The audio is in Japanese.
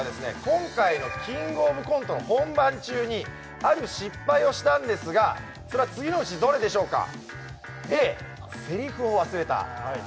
今回の「キングオブコント」の本番中にある失敗をしたんですがそれは次のうちどれでしょうか？